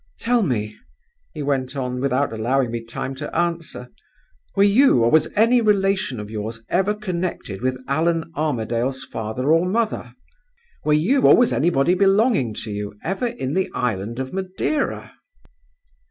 'Tell me,' he went on, without allowing me time to answer, 'were you, or was any relation of yours, ever connected with Allan Armadale's father or mother? Were you, or was anybody belonging to you, ever in the island of Madeira?